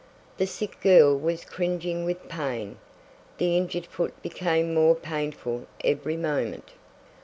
The sick girl was cringing with pain. The injured foot became more painful every moment.